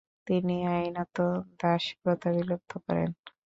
তিনি আইনত দাসপ্রথা বিলুপ্ত করেন।